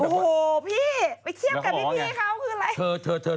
ไปเทียบกับพี่เขาคืออะไร